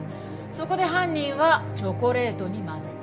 そこで犯人はチョコレートに混ぜた。